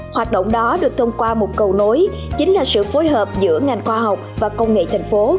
hoạt động đó được thông qua một cầu nối chính là sự phối hợp giữa ngành khoa học và công nghệ thành phố